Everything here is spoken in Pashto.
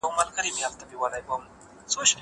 زه اوږده وخت شګه پاکوم!!